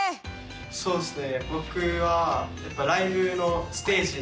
そうっすね。